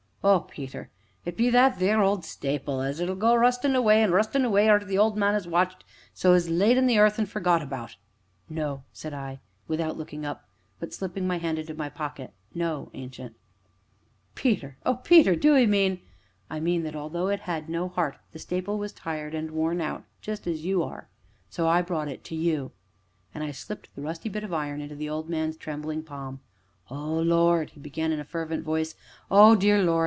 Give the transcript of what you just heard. "Oh, Peter! it be that theer old stapil as'll go on rustin' away an' rustin' away arter the old man as watched it so is laid in the earth, an' forgot about " "No," said I, without looking up, but slipping my hand into my pocket; "no, Ancient " "Peter Oh, Peter! do 'ee mean ?" "I mean that, although it had no heart, the staple was tired and worn out just as you are, and so I brought it to you," and I slipped the rusty bit of iron into the old man's trembling palm. "O Lord !" he began in a fervent voice, "O dear Lord!